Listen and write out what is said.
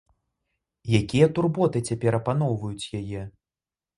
Якія турботы цяпер апаноўваюць яе?